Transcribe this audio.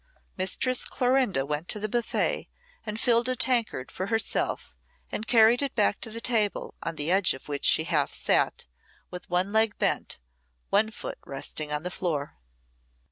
Mistress Clorinda went to the buffet and filled a tankard for herself and carried it back to the table, on the edge of which she half sat, with one leg bent, one foot resting on the floor.